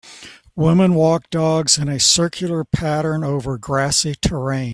Women walk dogs in a circular pattern over grassy terrain